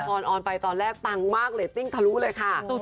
ออนไปตอนแรกปังมากเรตติ้งทะลุเลยค่ะ